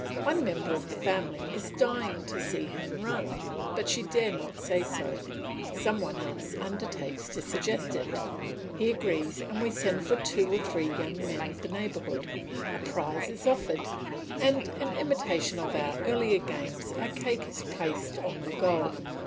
One member of the company is dying to see him run, but she dare not say so; some one else undertakes to suggest it; he agrees and we send for two or three young men of the neighbourhood; a prize is offered, and in imitation of our earlier games a cake is placed on the goal.